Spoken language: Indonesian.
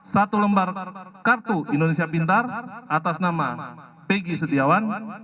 satu lembar kartu indonesia pintar atas nama pg setiawan